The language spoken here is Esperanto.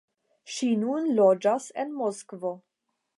Ŝi nun loĝas en Moskvo.